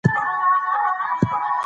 چې پورتنۍ قاعدې او اصول یې